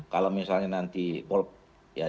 kalau misalnya nanti bolp ya